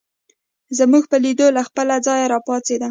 زموږ په لیدو له خپله ځایه راپاڅېد.